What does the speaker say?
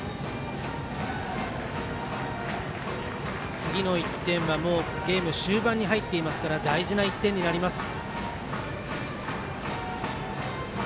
次の１点はゲーム終盤に入っていますから大事な１点になります。